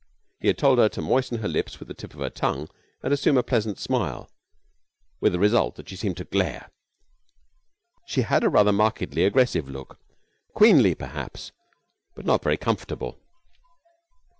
He had told her to moisten the lips with the tip of the tongue and assume a pleasant smile, with the result that she seemed to glare. She had a rather markedly aggressive look, queenly perhaps, but not very comfortable.